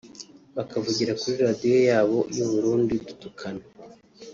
bakavugira kuri Radio yabo y’u Burundi dutukana